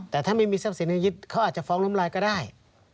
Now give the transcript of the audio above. แต่ถ้าไม่มีทรัพย์สินในยึดเขาอาจจะฟ้องน้ำลายก็ได้